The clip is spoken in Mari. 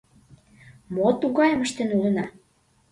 Мом тугайым ыштен улына?